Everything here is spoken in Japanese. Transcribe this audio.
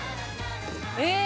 え